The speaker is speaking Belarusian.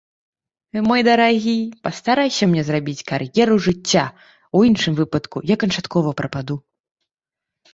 Мой дарагі, пастарайся мне зрабіць кар'еру жыцця, у іншым выпадку я канчаткова прападу.